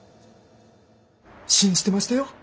信じてましたよ。